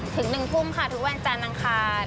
ถึง๑ภูมิค่ะทุกวันจานนังคาร